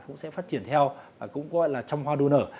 cũng sẽ phát triển theo và cũng gọi là trong hoa đô nở